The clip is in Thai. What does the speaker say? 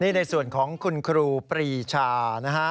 นี่ในส่วนของคุณครูปรีชานะฮะ